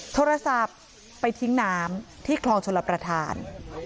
โทรศัพท์ไปทิ้งน้ำที่คลองชลประธาน